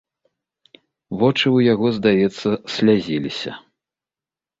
Вочы ў яго, здаецца, слязіліся.